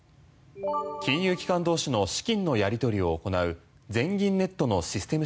機関同士の資金のやり取りを行う全銀ネットのシステム